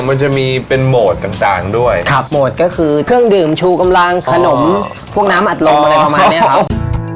ค่ะโหมดก็คือเครื่องดื่มชูกำลังขนมพวกน้ำอัดลงอะไรประมาณนี้ครับ